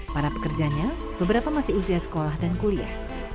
para pekerjanya beberapa masih usia sekolah dan kuliah